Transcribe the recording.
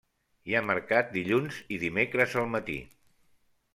Hi ha mercat dilluns i dimecres al matí.